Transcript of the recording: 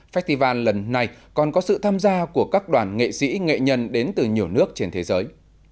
festival lần này còn có sự tham gia của các đoàn nghệ sĩ nghệ nhân đến từ nhiều nước trên thế giới